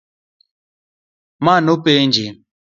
Ma nopenje